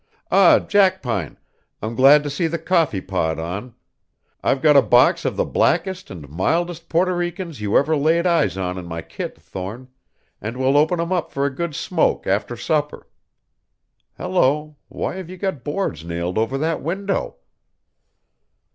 "Ah, Jackpine, I'm glad to see the coffee pot on. I've got a box of the blackest and mildest Porto Ricans you ever laid eyes on in my kit, Thorne, and we'll open 'em up for a good smoke after supper. Hello, why have you got boards nailed over that window?"